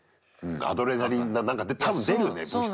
アドレナリン何か多分出るね物質が。